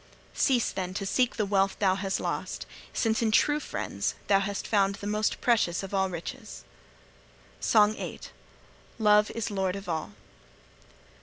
Cease, then, to seek the wealth thou hast lost, since in true friends thou hast found the most precious of all riches.' SONG VIII. LOVE IS LORD OF ALL.